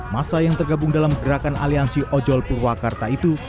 masa yang tergabung dalam gerakan aliansi ojol purwakarta itu